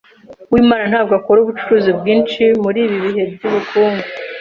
Uwimana ntabwo akora ubucuruzi bwinshi muri ibi bihe byubukungu.